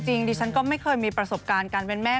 ดิฉันก็ไม่เคยมีประสบการณ์การเป็นแม่